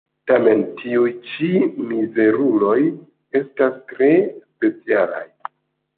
Tamen tiuj ĉi mizeruloj estas tre specialaj.